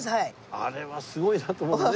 あれはすごいなと思うね。